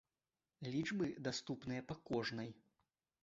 Лічбы даступныя па кожнай.